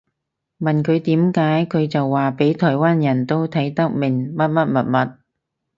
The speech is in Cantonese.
問佢點解佢就話畀台灣人都睇得明乜乜物物